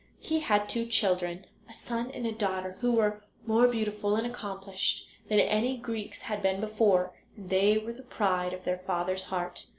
He had two children, a son and a daughter, who were more beautiful and accomplished than any Greeks had been before, and they were the pride of their father's heart.